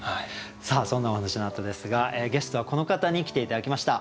そんなお話のあとですがゲストはこの方に来て頂きました。